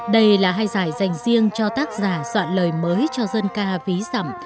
đây là hai giải dành riêng cho tác giả soạn lời mới cho dân ca ví dặm